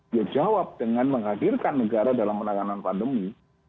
dia jawab dengan menghadirkan negara dalam penanganan pandemi